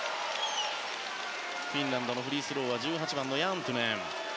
フィンランドのフリースローは１８番のヤントゥネン。